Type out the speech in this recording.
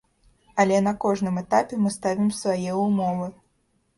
Але на кожным этапе мы ставім свае ўмовы.